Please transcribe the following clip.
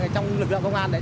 trong lực lượng công an đấy